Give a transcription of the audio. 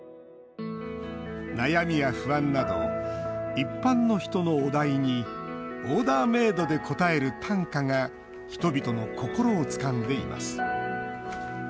悩みや不安など一般の人のお題にオーダーメードで応える短歌が人々の心をつかんでいます。